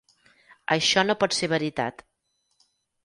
Això no pot ser veritat.